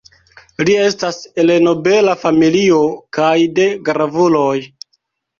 Li estas el nobela familio kaj de gravuloj.